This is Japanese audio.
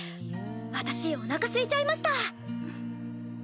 私おなかすいちゃいました。